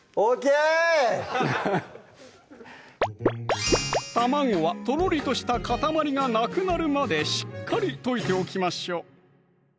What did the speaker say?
卵はとろりとした塊がなくなるまでしっかり溶いておきましょう